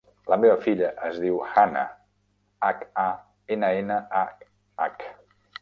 La meva filla es diu Hannah: hac, a, ena, ena, a, hac.